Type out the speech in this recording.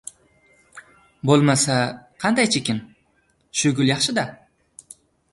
«Bo‘lmasa, qandaychikin? Shu gul yaxshi-da.